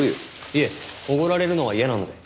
いえおごられるのは嫌なので。